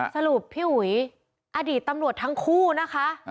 สรุปพี่อุ๋ยอดีตตำรวจทั้งคู่นะคะ